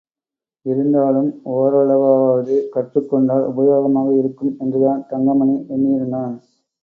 இருந்தாலும், ஓரளவாவது கற்றுக்கொண்டால் உபயோகமாக இருக்கும் என்றுதான் தங்கமணி எண்ணியிருந்தான்.